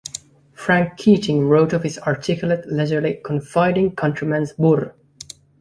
Frank Keating wrote of his "articulate, leisurely, confiding countryman's burr".